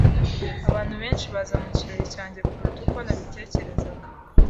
Abantu benshi baza mu kirori cyanjye kuruta uko nabitekerezaga.